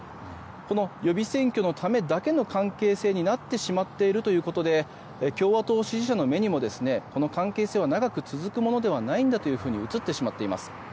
この予備選挙のためだけの関係性になってしまっているということで共和党支持者の目にもこの関係性は長く続くものではないんだというふうに映ってしまっています。